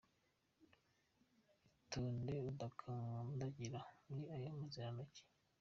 Itonde udakandagira muri ayo mazirantoki!